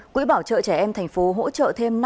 quỹ bảo trợ trẻ em thành phố hỗ trợ thêm